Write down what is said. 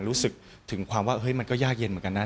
รู้สึกถึงความว่าเฮ้ยมันก็ยากเย็นเหมือนกันนะ